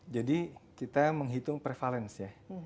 jadi kita menghitung prevalence ya